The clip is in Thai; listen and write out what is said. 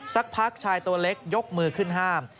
สักพักชายตัวเล็กยกมือขึ้นห้าม